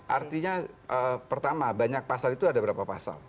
artinya pertama banyak pasal itu ada berapa pasal